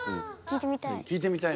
聴いてみたい。